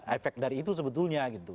efek dari itu sebetulnya gitu